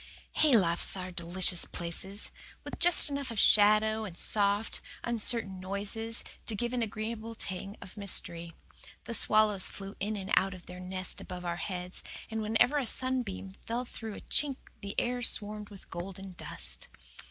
Haylofts are delicious places, with just enough of shadow and soft, uncertain noises to give an agreeable tang of mystery. The swallows flew in and out of their nest above our heads, and whenever a sunbeam fell through a chink the air swarmed with golden dust.